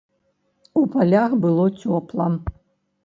У палях было цёпла.